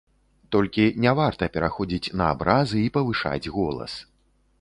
Толькі не варта пераходзіць на абразы і павышаць голас.